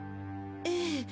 ええ。